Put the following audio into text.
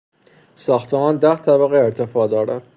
ساختمان ده طبقه ارتفاع دارد.